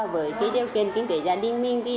với điều kiện kinh tế gia đình mình